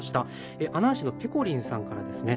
阿南市のぺこりんさんからですね。